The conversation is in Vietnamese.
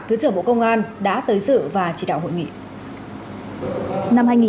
thứ trưởng bộ công an đã tới dự và chỉ đạo hội nghị